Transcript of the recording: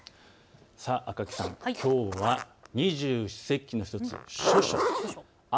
赤木さん、きょうは二十四節気の１つ、処暑。